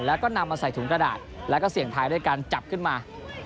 แล้วก็นำมาใส่ถุงกระดาษแล้วก็เสี่ยงท้ายด้วยการจับขึ้นมา